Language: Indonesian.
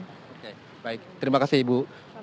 oke baik terima kasih ibu